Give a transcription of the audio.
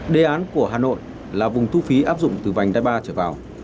đề án của hà nội là vùng thu phí áp dụng từ vành đai ba trở vào